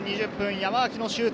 山脇、シュート！